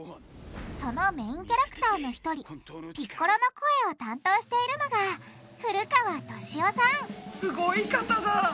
そのメインキャラクターの１人ピッコロの声を担当しているのがすごい方だ！